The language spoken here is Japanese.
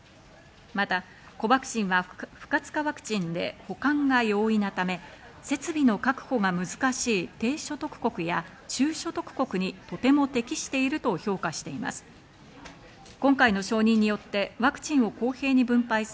またコバクシンは不活化ワクチンで、保管が容易なため、設備の確保が難しい低所得国や中所得国にとても適していると評価しています。